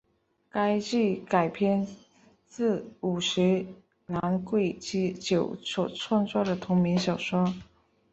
该剧改编自五十岚贵久所创作的同名小说。